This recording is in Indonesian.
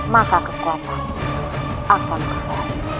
maka kekuatan akan kebal